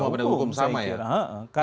sama penegak hukum sama ya